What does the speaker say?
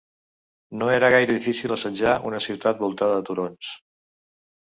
No era gaire difícil assetjar una ciutat voltada de turons.